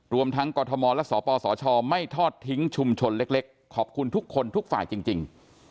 รวมทั้งกรทมและสปสชไม่ทอดทิ้งชุมชนเล็กขอบคุณทุกคนทุกฝ่ายจริง